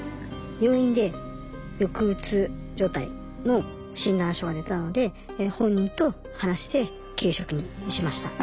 病院で抑うつ状態の診断書が出たので本人と話して休職にしました。